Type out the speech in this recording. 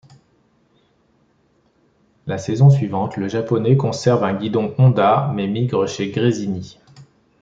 La saison suivante, le Japonais conserve un guidon Honda mais migre chez Gresini.